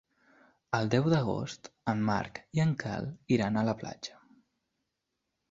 El deu d'agost en Marc i en Quel iran a la platja.